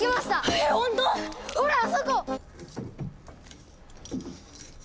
えっほんと⁉ほらあそこ！